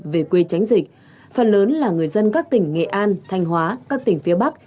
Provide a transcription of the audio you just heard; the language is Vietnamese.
về quê tránh dịch phần lớn là người dân các tỉnh nghệ an thanh hóa các tỉnh phía bắc